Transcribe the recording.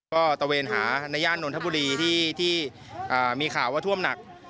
ก็ตะเวนหาในย่านนทบุรีที่มีข่าวว่าท่วมหนัก